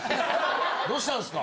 どうしたんすか？